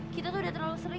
kita tuh udah terlalu sering